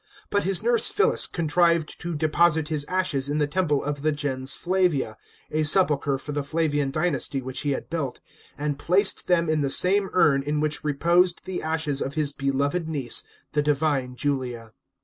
But his nurse Phyllis contrived to deposit his ashes in the temple of the Gens Flavia, a sepulchre lor the Flavian dynasty which he had built, and placed them in the same urn in which reposed the ashes of his beloved niece, the Divine Julia.